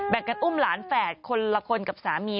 กันอุ้มหลานแฝดคนละคนกับสามี